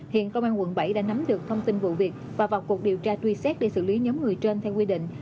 hiện công an quận bảy đã nắm được thông tin vụ việc và vào cuộc điều tra truy xét để xử lý nhóm người trên theo quy định